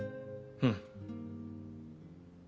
うん。